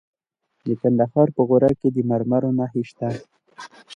د کندهار په غورک کې د مرمرو نښې شته.